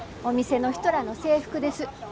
お店の人らの制服です。